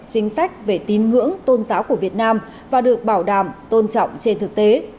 chính sách về tín ngưỡng tôn giáo của việt nam và được bảo đảm tôn trọng trên thực tế